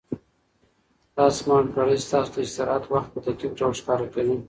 دا سمارټ ګړۍ ستاسو د استراحت وخت په دقیق ډول ښکاره کوي.